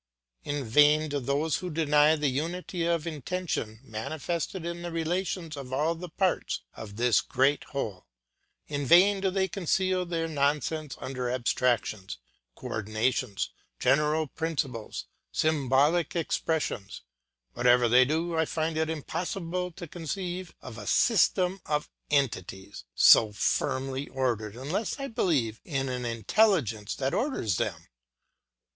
In vain do those who deny the unity of intention manifested in the relations of all the parts of this great whole, in vain do they conceal their nonsense under abstractions, co ordinations, general principles, symbolic expressions; whatever they do I find it impossible to conceive of a system of entities so firmly ordered unless I believe in an intelligence that orders them.